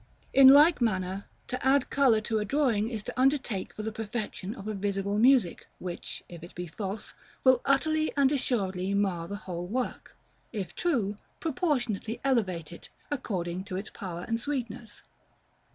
In like manner, to add color to a drawing is to undertake for the perfection of a visible music, which, if it be false, will utterly and assuredly mar the whole work; if true, proportionately elevate it, according to its power and sweetness.